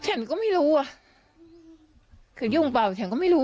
ฉันก็ไม่รู้อ่ะคือยุ่งเปล่าฉันก็ไม่รู้